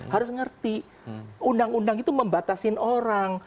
harus ngerti undang undang itu membatasin orang